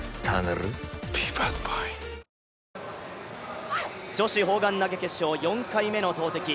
続く女子砲丸投決勝、４回目の投てき。